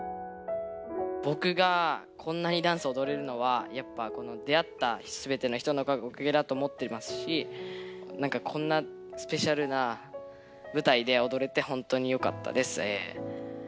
ぼくがこんなにダンスおどれるのはやっぱこの出会ったすべての人のおかげだと思ってますしなんかこんなスペシャルな舞台でおどれてほんとによかったです。